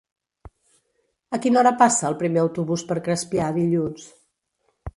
A quina hora passa el primer autobús per Crespià dilluns?